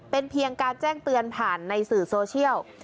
เป็นเพียงการแจ้งเตือนผ่านในสื่อโซเชียล